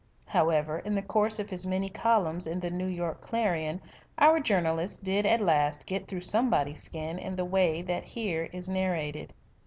However, in the course of his many columns in the New York Clarion our journalist did at last get through somebody's skin in the way that is here narrated.